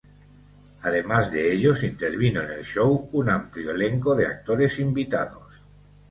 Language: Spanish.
Además de ellos, intervino en el show un amplio elenco de actores invitados.